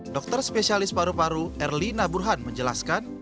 dokter spesialis paru paru erlina burhan menjelaskan